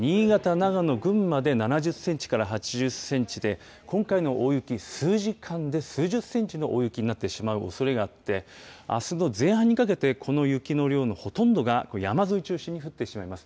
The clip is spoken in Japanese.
長野、群馬で７０センチから８０センチで、今回の大雪、数時間で数十センチの大雪になってしまうおそれがあって、あすの前半にかけて、この雪の量のほとんどが山沿いを中心に降ってしまいます。